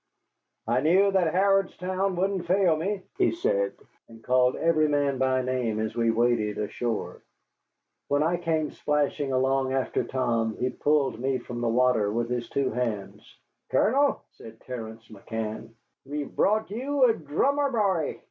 "I knew that Harrodstown wouldn't fail me," he said, and called every man by name as we waded ashore. When I came splashing along after Tom he pulled me from the water with his two hands. "Colonel," said Terence McCann, "we've brought ye a dhrummer b'y."